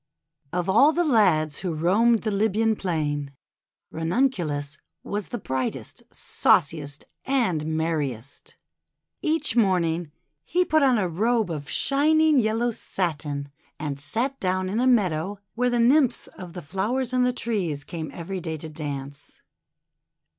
Of all the lads who roamed the Libyan plain, Ranunculus was the brightest, sauciest, and merriest. Each morning he put on a robe of WHY FROGS CALL BUTTERCUPS 133 shining yellow satin, and sat down in a meadow, where the Nymphs of the flowers and trees came every day to dance.